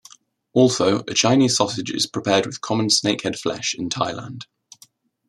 Also, a Chinese sausage is prepared with common snakehead flesh in Thailand.